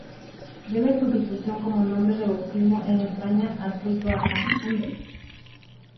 Debe su difusión como nombre de bautismo en España al culto a San Facundo.